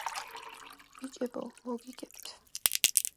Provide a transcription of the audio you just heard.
ბიჭებო მოგიგებთ